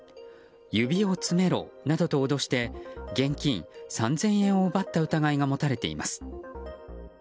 指を詰めろなどと脅して現金３０００円を奪った疑いが持たれています。